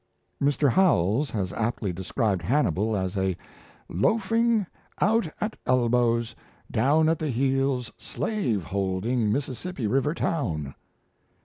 Mr. Howells has aptly described Hannibal as a "loafing, out at elbows, down at the heels, slaveholding Mississippi river town."